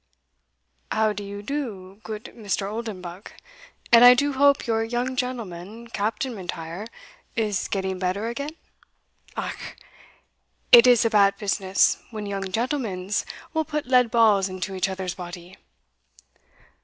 "How do you do, goot Mr. Oldenbuck? and I do hope your young gentleman, Captain M'Intyre, is getting better again? Ach! it is a bat business when young gentlemens will put lead balls into each other's body."